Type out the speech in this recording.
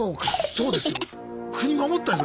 そうですよ。